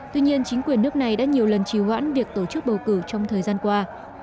tuy nhiên chính quyền nước này đã nhiều lần trì hoãn việc tổ chức bầu cử trong thời gian qua